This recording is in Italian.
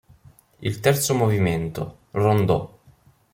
Il terzo movimento, "Rondò.